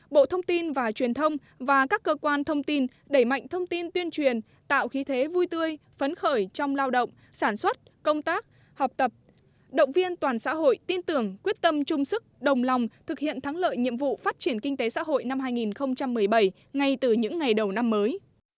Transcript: bộ thông tin và truyền thông và các cơ quan thông tin đẩy mạnh thông tin tuyên truyền tạo khí thế vui tươi phấn khởi trong lao động sản xuất công tác học tập động viên toàn xã hội tin tưởng quyết tâm chung sức đồng lòng thực hiện thắng lợi nhiệm vụ phát triển kinh tế xã hội năm hai nghìn một mươi bảy ngay từ những ngày đầu năm mới